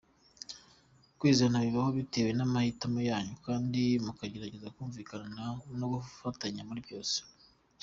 Kwizeana bibaho bitewe n’amahitamo yanyu kandi mukageregeza kumvikana no gufatanya muri byose.